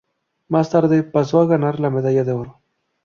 Más tarde, pasó a ganar la medalla de oro.